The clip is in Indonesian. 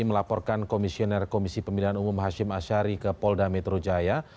melaporkan komisioner komisi pemilihan umum hashim ashari ke polda metro jaya